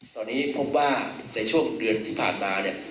ตอนนี้พบว่าในช่วงเดือนสิพาสมา